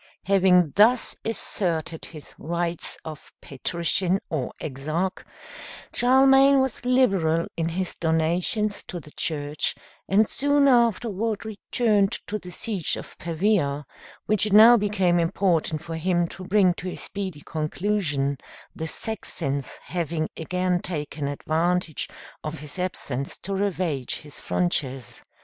Having thus asserted his rights of Patrician or Exarch, Charlemagne was liberal in his donations to the Church, and soon afterward returned to the siege of Pavia, which it now became important for him to bring to a speedy conclusion, the Saxons having again taken advantage of his absence to ravage his frontiers.